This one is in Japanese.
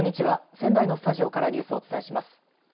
仙台のスタジオからニュースをお伝えします。